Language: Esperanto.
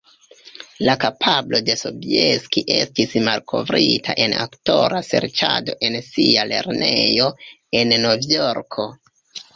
La kapablo de Sobieski estis malkovrita en aktora serĉado en sia lernejo, en Novjorko.